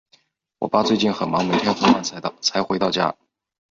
我爸最近很忙，每天很晚才回到家。